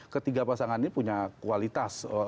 ketiga pasangan ini punya kualitas